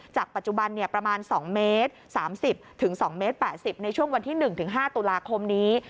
ปัจจุบันประมาณ๒เมตร๓๐๒เมตร๘๐ในช่วงวันที่๑๕ตุลาคมนี้